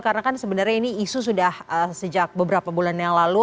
karena kan sebenarnya ini isu sudah sejak beberapa bulan yang lalu